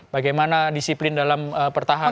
bagaimana disiplin dalam pertahanan